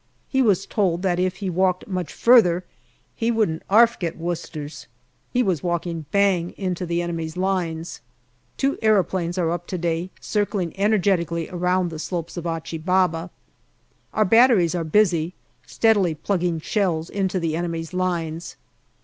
He was told that if he walked much further " he wouldn't 'arf get Worcesters." He was walking bang into the enemy's lines. Two aeroplanes are up to day, circling energetically around the slopes of Achi Baba. Our batteries are busy, steadily plugging shells into the enemy's lines.